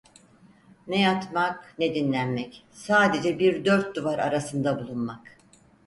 Ne yatmak, ne dinlenmek, sadece bir dört duvar arasında bulunmak…